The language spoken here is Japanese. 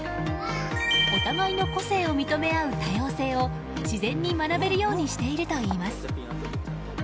お互いの個性を認め合う多様性を自然に学べるようにしているといいます。